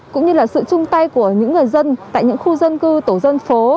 cũng như là sự chung tay của những người dân tại những khu dân cư tổ dân phố